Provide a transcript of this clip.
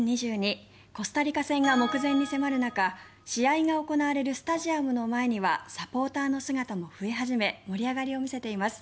コスタリカ戦が目前に迫る中試合が行われるスタジアムの前にはサポーターの姿も増え始め盛り上がりを見せています。